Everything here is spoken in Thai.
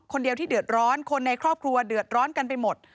คนเดียวที่เดือดร้อนคนในครอบครัวเดือดร้อนกันไปหมด